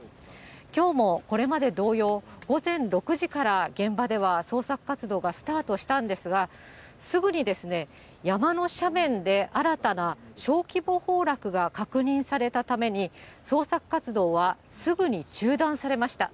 きょうもこれまで同様、午前６時から現場では捜索活動がスタートしたんですが、すぐに、山の斜面で新たな小規模崩落が確認されたために、捜索活動はすぐに中断されました。